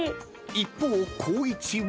［一方光一は］